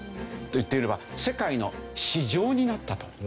言ってみれば世界の市場になったと。